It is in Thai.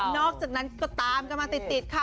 อกจากนั้นก็ตามกันมาติดค่ะ